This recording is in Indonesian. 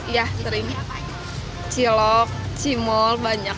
ya sering cilok cimol banyak